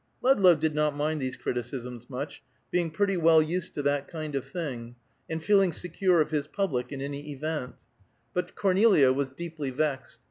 Ludlow did not mind these criticisms much, being pretty well used to that kind of thing, and feeling secure of his public in any event; but Cornelia was deeply vexed.